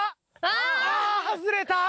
あ外れた。